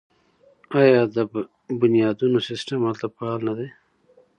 آیا د بنیادونو سیستم هلته فعال نه دی؟